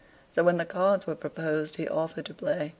So when cards were proposed he offered to play.